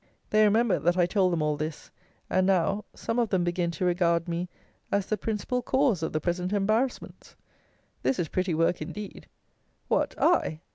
They remember that I told them all this; and now, some of them begin to regard me as the principal cause of the present embarrassments! This is pretty work indeed! What! I!